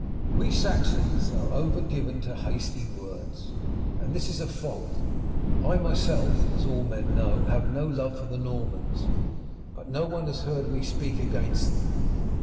We Saxons are over given to hasty words, and this is a fault. I myself, as all men know, have no love for the Normans, but no one has heard me speak against them.